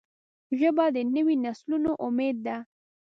ژبه د نوي نسلونو امید ده